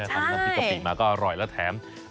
ตามกะปิกระปินะก็อร่อยแล้วแถม